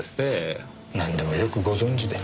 なんでもよくご存じで。